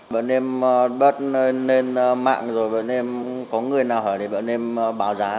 bọn em bắt lên mạng rồi bọn em có người nào hỏi thì bọn em báo giá